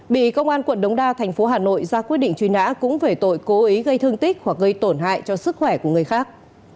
bị công an quận đống đa thành phố hà nội ra quyết định truy nã cũng về tội cố ý gây thương tích hoặc gây tổn hại cho sức khỏe của người khác